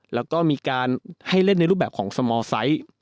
แล้วก็มีการให้เล่นในรูปแบบของสมอร์ไซส์